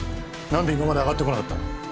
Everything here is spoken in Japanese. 何で今まであがってこなかった？